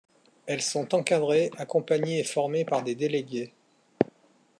Elles sont encadrées, accompagnées et formées par des Délégués.